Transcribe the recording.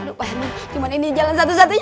aduh pak herman gimana ini jalan satu satunya